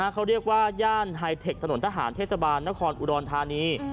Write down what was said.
เขาเรียกว่าย่านไฮเทคถนนทหารเทศบาลนครอุดรธานี